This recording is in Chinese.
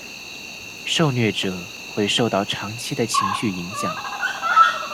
受虐者会受到长期的情绪影响。